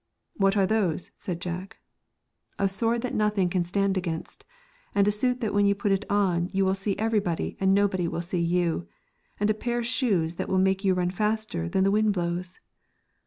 ' What are those ?' said no Moral. Jack. ' A sword that nothing can stand against, and a suit that when you put it on, you will see everybody, and nobody will see you, and a pair of shoes that will make you run faster than the wind blows.'